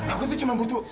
aku itu cuma butuh